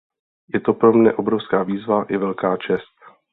Je to pro mne obrovská výzva i velká čest.